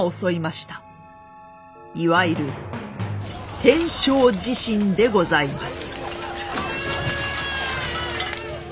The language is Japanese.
いわゆる天正地震でございます。